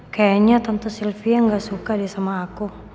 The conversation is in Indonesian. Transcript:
kayaknya tante sylvia gak suka dia sama aku